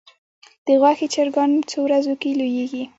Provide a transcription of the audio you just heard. د غوښې چرګان څو ورځو کې لویږي؟